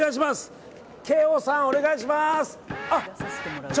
京王さん、お願いします！